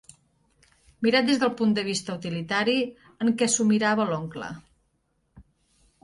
Mirat des del punt de vista utilitari en què s'ho mirava l'oncle.